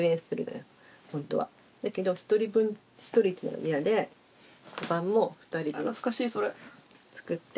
だけど１人分１人っていうのが嫌でかばんも２人分作って。